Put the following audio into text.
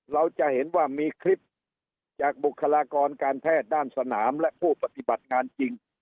เราจะเห็นว่ามีคลิปจากบุคลากรการแพทย์ด้านสนามและผู้ปฏิบัติงานจริง